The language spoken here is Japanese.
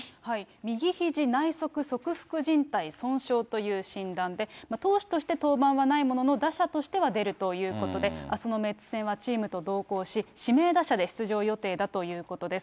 右ひじ内側側副じん帯損傷という診断で、投手として登板はないものの、打者としては出るということで、あすのメッツ戦はチームと同行し、指名打者で出場予定だということです。